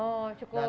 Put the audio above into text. oh cukup simpel ya